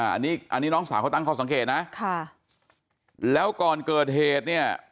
อันนี้น้องสาวเขาตั้งข้อสังเกตนะแล้วก่อนเกิดเหตุ